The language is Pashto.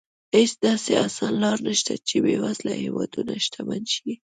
هېڅ داسې اسانه لار نه شته چې بېوزله هېوادونه شتمن شي.